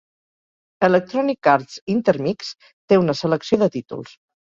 Electronic Arts Intermix té una selecció de títols.